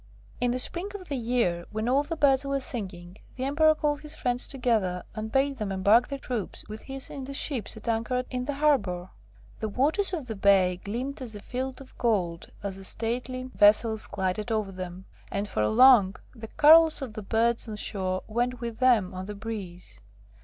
In the spring of the year, 'when all the birds were singing,' the Emperor called his friends together and bade them embark their troops with his in the ships at anchor in the harbour. The waters of the bay gleamed as a field of gold as the stately vessels glided over them, and for long the carols of the birds on shore went with them on the breeze.